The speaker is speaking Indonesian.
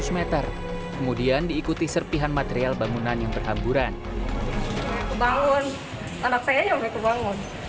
seratus meter kemudian diikuti serpihan material bangunan yang berhamburan bangun anak saya yang kebangun